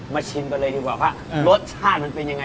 ชิมกันเลยดีกว่าว่ารสชาติมันเป็นยังไง